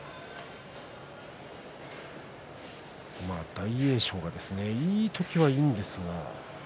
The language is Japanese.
大栄翔はいい時はいいんですが。